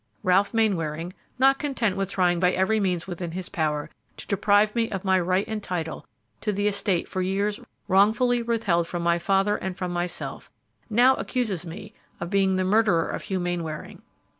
Ralph Mainwaring, not content with trying by every means within his power to deprive me of my right and title to the estate for years wrongfully withheld from my father and from myself, now accuses me of being the murderer of Hugh Mainwaring.